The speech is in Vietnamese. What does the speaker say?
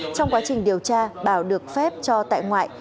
trong quá trình điều tra bảo được phép cho tại ngoại